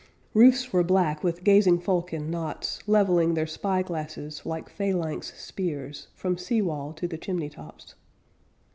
Roofs were black with gazing folk in knots, Leveling their spyglasses Like phalanx spears, From sea wall to the chimney tops.